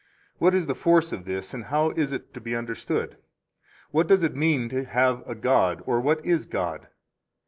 What is the force of this, and how is it to be understood? What does it mean to have a god? or, what is God?